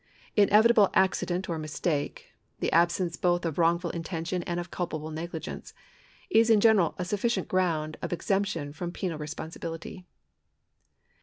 Inevitable accident or mistake — the absence both of wrongful intention and of culpable negligence — is in general a sufficient ground of exemption from penal re sponsibility.